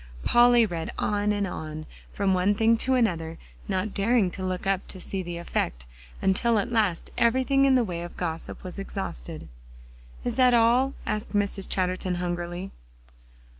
Polly read on and on, from one thing to another, not daring to look up to see the effect, until at last everything in the way of gossip was exhausted. "Is that all?" asked Mrs. Chatterton hungrily.